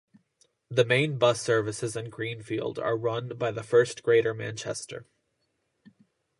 The main bus services in Greenfield are run by First Greater Manchester.